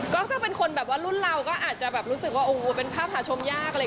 ก็ถ้าเป็นคนแบบว่ารุ่นเราก็อาจจะแบบรู้สึกว่าโอ้โหเป็นภาพหาชมยากอะไรอย่างนี้